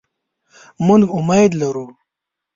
مونږ امید لرو